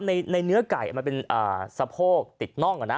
ในเนื้อไก่เป็นสะโพกติดน่องเหรอนะ